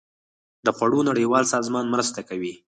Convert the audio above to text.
د خوړو نړیوال سازمان مرسته کوي.